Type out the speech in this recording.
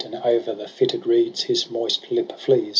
And o'er the fitted reeds his moist lip flees.